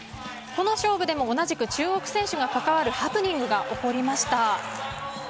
この勝負でも同じく中国選手が関わるハプニングが起きました。